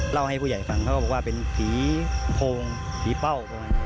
เล่าให้ผู้ใหญ่ฟังเขาก็บอกว่าเป็นผีโพงผีเป้าประมาณ